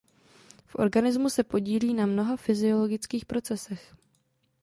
V organismu se podílí na mnoha fyziologických procesech.